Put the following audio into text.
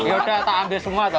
ya udah tak ambil semua tuh